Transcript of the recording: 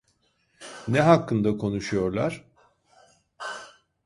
Ne hakkında konuşuyorlar?